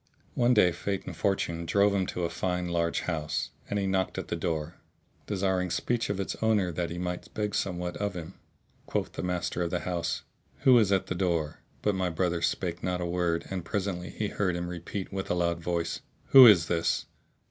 One day Fate and Fortune drove him to a fine large house, and he knocked at the door, desiring speech of its owner that he might beg somewhat of him. Quoth the master of the house, "Who is at the door?" But my brother spake not a word and presently he heard him repeat with a loud voice, "Who is this?"